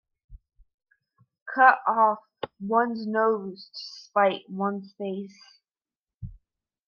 Cut off one's nose to spite one's face.